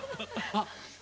あっ！